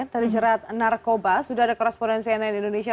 tadi cerat narkoba sudah ada korespondensi nn indonesia